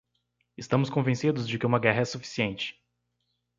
Estamos convencidos de que uma guerra é suficiente.